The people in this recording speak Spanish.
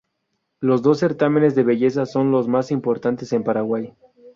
Los dos certámenes de belleza son los más importantes en Paraguay.